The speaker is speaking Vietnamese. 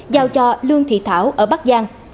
giao cho lương thị thảo ở bắc giang